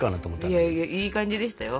いやいやいい感じでしたよ。